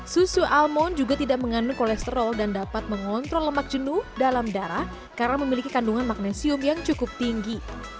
susu almon juga tidak mengandung kolesterol dan dapat mengontrol lemak jenuh dalam darah karena memiliki kandungan magnesium yang cukup tinggi